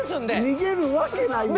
逃げるわけないやろ。